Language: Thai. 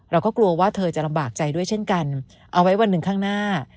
เราก็กลัวว่าเธอจะลำบากใจด้วยเช่นกันเอาไว้วันหนึ่งข้างหน้า